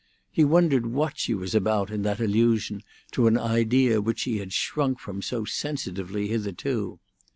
He wondered what she was about in that allusion to an idea which she had shrunk from so sensitively hitherto.